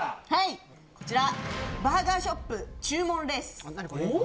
こちら、バーガーショップ注文レース。